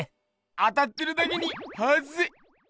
当たってるだけにはずい！